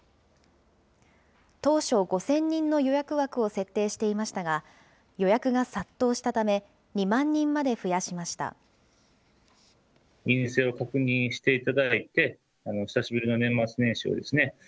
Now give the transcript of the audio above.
当初、５０００人の予約枠を設定していましたが、予約が殺到したため、２万人まで増やしました。